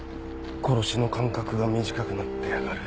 殺しの間隔が短くなってやがる。